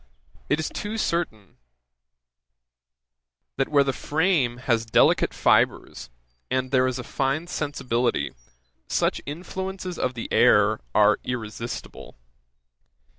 it is too certain, that where the frame has delicate fibres, and there is a fine sensibility, such influences of the air are irresistible.